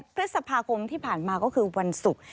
พฤษภาคมที่ผ่านมาก็คือวันศุกร์